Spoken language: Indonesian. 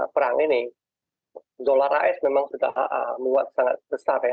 perang ini dolar as memang sudah muat sangat besar ya